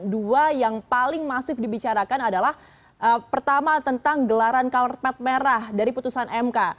dua yang paling masif dibicarakan adalah pertama tentang gelaran colorpet merah dari putusan mk